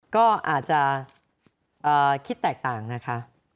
ก็อาจจะคิดแตกต่างนะคะ